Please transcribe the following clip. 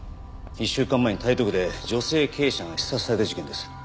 １週間前に台東区で女性経営者が刺殺された事件です。